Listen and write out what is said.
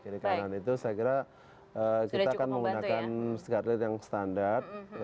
kalau kita sudah mencari guardrail itu saya kira kita akan menggunakan guardrail yang standar